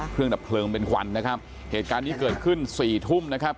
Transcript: ดับเพลิงเป็นควันนะครับเหตุการณ์นี้เกิดขึ้นสี่ทุ่มนะครับ